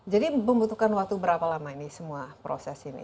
jadi membutuhkan waktu berapa lama ini semua proses ini